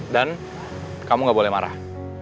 dan kamu gak boleh marah